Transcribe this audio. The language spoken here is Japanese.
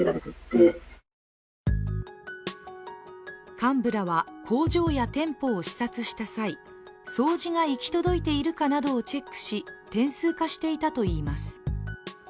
幹部らは、工場や店舗を視察した際掃除が行き届いているかなどをチェックし点数化していたといいます。